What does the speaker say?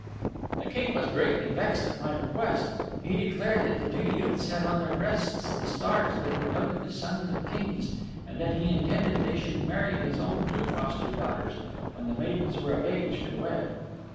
The King was greatly vexed at my request. He declared that the two youths had on their breasts the stars that denoted the sons of Kings and that he intended they should marry his own two foster daughters when the maidens were of age to wed.